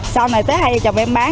sau này tới hai chồng em bán